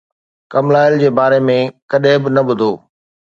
ڪملاٿل جي باري ۾ ڪڏهن به نه ٻڌو